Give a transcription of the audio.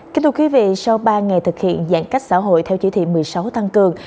kính thưa quý vị sau ba ngày thực hiện giãn cách xã hội theo chỉ thị một mươi sáu tăng cường